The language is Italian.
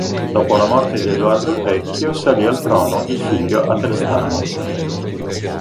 Dopo la morte di Edoardo il Vecchio salì al trono il figlio Atelstano.